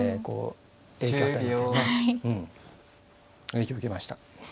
影響受けました。